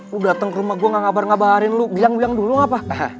lu dateng ke rumah gua gak ngabarin ngabarin lu bilang bilang dulu apa